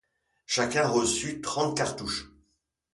Chacun reçut trente cartouches.